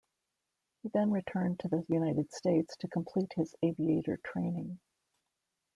He then returned to the United States to complete his aviator training.